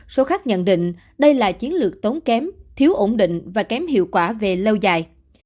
số khác nhận định đây là chiến lược tốn kém thiếu ổn định và kém hiệu quả về lâu dài